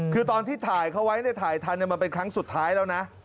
คือตอนที่ถ่ายเขาไว้ถ่ายทันมันเป็นครั้งสุดท้ายแล้วนะ